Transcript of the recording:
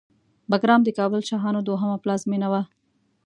بګرام د کابل شاهانو دوهمه پلازمېنه وه